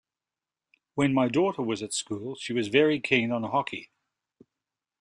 When my daughter was at school she was very keen on hockey